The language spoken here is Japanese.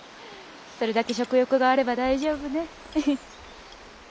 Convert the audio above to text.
それだけ食欲があれば大丈夫ね。